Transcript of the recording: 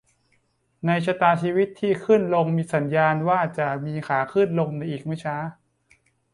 ในชะตาชีวิตที่ขึ้นลงมีสัญญาณว่าจะมีขาลงในอีกไม่ช้า